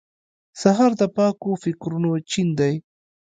سهار د پاکو فکرونو چین دی.